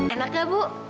enak ya ibu